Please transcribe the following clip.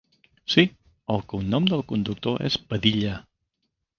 Sí, el cognom del conductor és Padilla.